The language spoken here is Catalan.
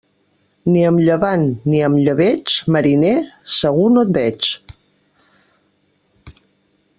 Ni amb llevant ni amb llebeig, mariner, segur no et veig.